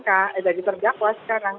orang ini yang jadi terdakwa sekarang